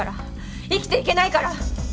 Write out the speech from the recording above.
生きていけないから！